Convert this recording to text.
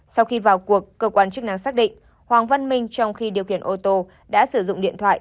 sau khi vào cuộc cơ quan chức năng xác định hoàng văn minh trong khi điều khiển ô tô đã sử dụng điện thoại